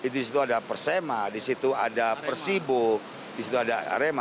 di situ ada persema di situ ada persibo di situ ada arema